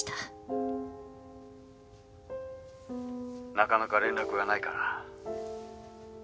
☎なかなか連絡がないから。